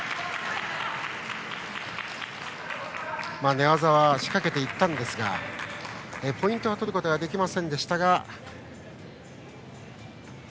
寝技は仕掛けていったんですがポイントを取ることはできませんでしたが。